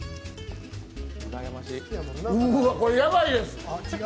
うわ、これ、ヤバいです。